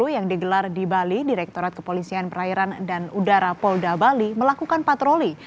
yang digelar di bali direktorat kepolisian perairan dan udara polda bali melakukan patroli